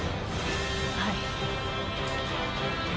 はい。